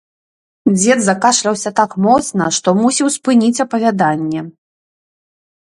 Дзед закашляўся так моцна, што мусіў спыніць апавяданне.